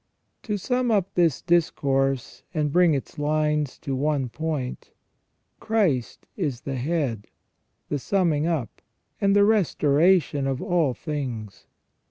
To sum up this discourse, and bring its lines to one point, Christ is the head, the summing up, and the restoration of all things.